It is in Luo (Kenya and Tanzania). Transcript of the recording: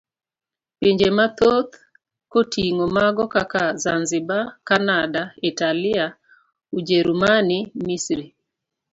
Pinje mathoth koting'o mago kaka Zanzibar, Cananda, Italia, Ujerumani, Misri.